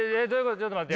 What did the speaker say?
ちょっと待ってよ。